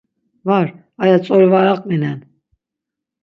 Var, aya tzori var aqvinen.